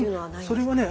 それはね